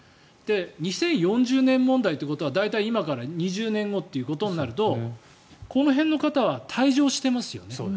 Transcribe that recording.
２０４０年問題ということは大体今から２０年後となるとこの辺の方は退場してますよね。